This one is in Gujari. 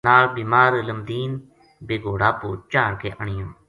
نال بیمار علم دین بے گھوڑا پو چاہڑھ کے آنیو